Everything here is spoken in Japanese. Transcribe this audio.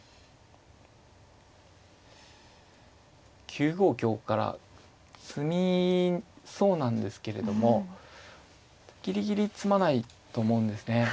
９五香から詰みそうなんですけれどもギリギリ詰まないと思うんですね。